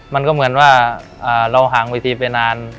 มันก็เหมือนว่าเราห่างเวทีไปนาน